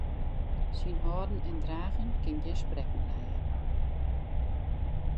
Syn hâlden en dragen kin gjin sprekken lije.